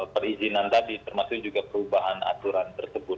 perizinan tadi termasuk juga perubahan aturan tersebut